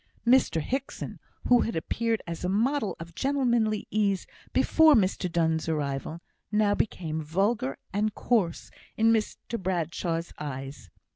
Mr Hickson, who had appeared as a model of gentlemanly ease before Mr Donne's arrival, now became vulgar and coarse in Mr Bradshaw's eyes.